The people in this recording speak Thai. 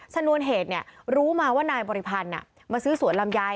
ชนวนเหตุรู้มาว่านายบริพันธ์มาซื้อสวนลำไย